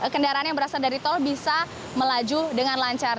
kendaraan yang berasal dari tol bisa melaju dengan lancar